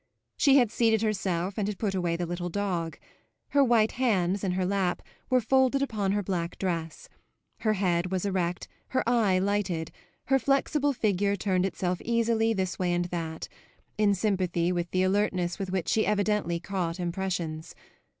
She had seated herself and had put away the little dog; her white hands, in her lap, were folded upon her black dress; her head was erect, her eye lighted, her flexible figure turned itself easily this way and that, in sympathy with the alertness with which she evidently caught impressions.